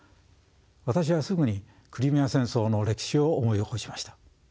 私はすぐにクリミア戦争の歴史を思い起こしました。